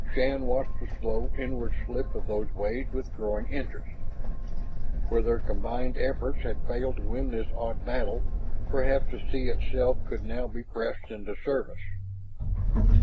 Shann watched the slow inward slip of those waves with growing interest. Where their combined efforts had failed to win this odd battle, perhaps the sea itself could now be pressed into service.